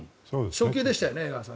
初球でしたよね。